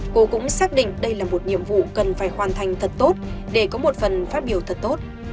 cô cũng xác định đây là một nhiệm vụ cần phải hoàn thành thật tốt để có một phần phát biểu thật tốt